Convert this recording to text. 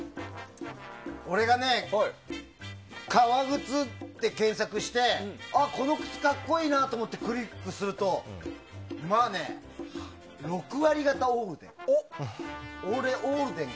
俺が、革靴って検索してあ、この靴格好いいな！と思ってクリックするとまあね、６割がたオールデン。